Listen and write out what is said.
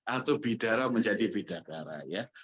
atau bidara menjadi bidakara ya